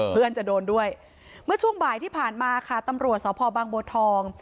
เมื่อช่วงบ่ายที่ผ่านมาค่ะตำรวจสภบังบททอง